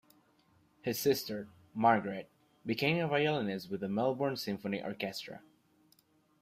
His sister, Margaret, became a violinist with the Melbourne Symphony Orchestra.